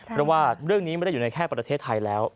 เพราะว่าเรื่องนี้ไม่ได้อยู่ในแค่ประเทศไทยแล้ว